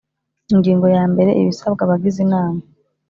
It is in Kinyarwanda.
Ingingo ya mbere Ibisasbwa abagize inama